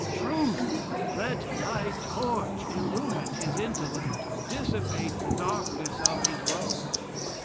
Truth! let thy torch illumine his intellect, dissipate the darkness of his road....